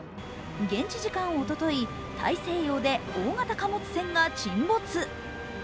現地時間おととい大西洋で大型貨物船が沈没。